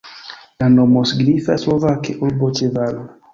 La nomo signifas slovake urbo ĉe valo.